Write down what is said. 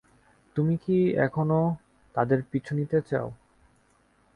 তুমি কি এখনো তাদের পিছু নিতে চাও?